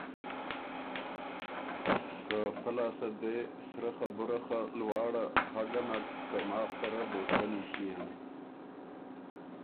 که په لاسته دې سرۀ خبُره خه لواړه هۀ ګه نک که ماخ سره دوستنی ݭيېن۔